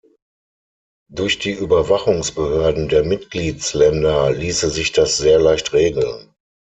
Durch die Überwachungsbehörden der Mitgliedsländer ließe sich das sehr leicht regeln.